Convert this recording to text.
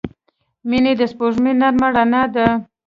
• مینه د سپوږمۍ نرمه رڼا ده.